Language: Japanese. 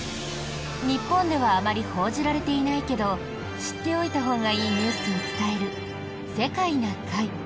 日本ではあまり報じられていないけど知っておいたほうがいいニュースを伝える「世界な会」。